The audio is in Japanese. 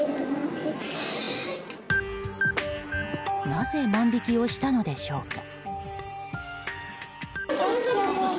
なぜ万引きをしたのでしょうか。